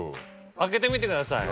開けてみてください。